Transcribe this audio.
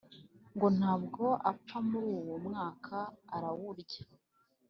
ngo ntabwo apfa muri uwo mwaka, arawurya.